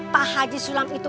pak haji sulam itu